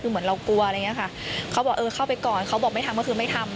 คือเหมือนเรากลัวอะไรอย่างเงี้ยค่ะเขาบอกเออเข้าไปก่อนเขาบอกไม่ทำก็คือไม่ทำ